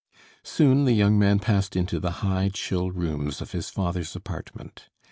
Soon the young man passed into the high, chill rooms of his father's apartment.